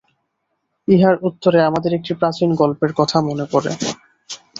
ইহার উত্তরে আমাদের একটি প্রাচীন গল্পের কথা মনে পড়ে।